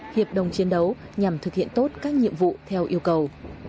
hiệp đồng chiến đấu nhằm thực hiện tốt các nhiệm vụ theo yêu cầu